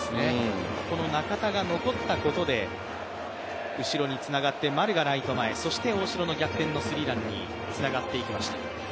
この中田が残ったことで後ろにつながって丸がライト前、そして大城の逆転のスリーランにつながっていきました。